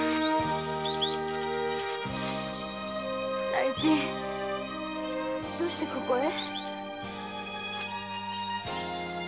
太一どうしてここへ？